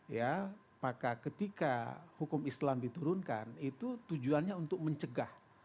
ya maka ketika hukum islam diturunkan itu tujuannya untuk mencegah